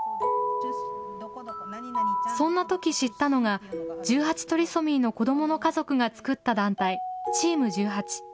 そんなとき知ったのが、１８トリソミーの子どもの家族が作った団体、Ｔｅａｍ１８。